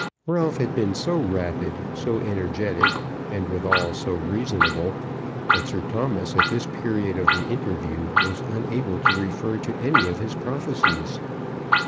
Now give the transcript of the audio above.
Ralph had been so rapid, so energetic, and withal so reasonable, that Sir Thomas, at this period of the interview, was unable to refer to any of his prophecies.